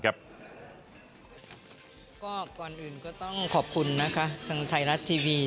ก็ก่อนอื่นก็ต้องขอบคุณนะคะทางไทยรัฐทีวี